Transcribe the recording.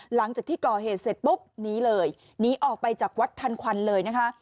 หลังจากที่ก่อเหตุเสร็จปุ๊บหนีเลยหนีออกไปจากวัดทันควันเลยนะคะ